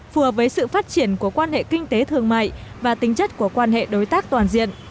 phù hợp với sự phát triển của quan hệ kinh tế thương mại và tính chất của quan hệ đối tác toàn diện